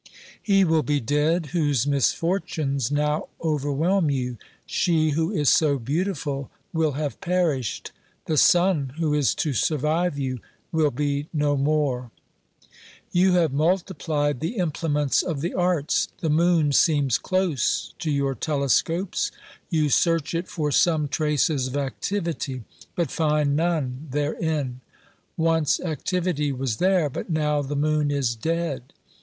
He will be dead whose misfortunes now overwhelm you ; she who is so beautiful will have perished ; the son who is to survive you will be no more. 2o6 OBERMANN You have multiplied the implements of the arts ; the moon seems close to your telescopes ; you search it for some traces of activity, but find none therein ; once activity was there, but now the moon is dead.